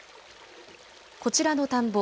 こちらの田んぼ。